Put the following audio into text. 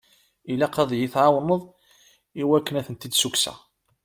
Ilaq ad yi-tɛawneḍ i wakken ad tent-id-sukkseɣ.